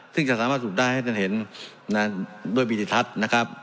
ซึ่งจะสามารถสรุปได้ให้ท่านเห็นด้วยวิธีทัศน์นะครับ